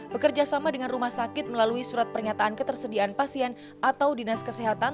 bekerja sama dengan rumah sakit melalui surat pernyataan ketersediaan pasien atau dinas kesehatan